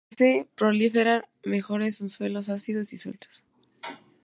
Parece proliferar mejor en suelos ácidos y sueltos.